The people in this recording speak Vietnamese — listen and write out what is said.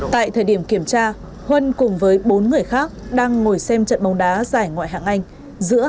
tại thời điểm kiểm tra huân cùng với bốn người khác đang ngồi xem trận bóng đá giải ngoại hạng anh giữa